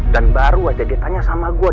dan baru aja dia tanya sama gue